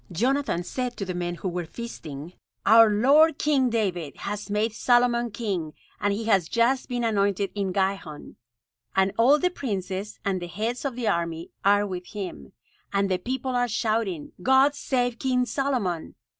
Jonathan said to the men who were feasting: "Our lord King David has made Solomon king, and he has just been anointed in Gihon; and all the princes, and the heads of the army, are with him, and the people are shouting, 'God save King Solomon!'